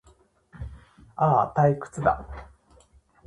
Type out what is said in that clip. ああ、退屈だ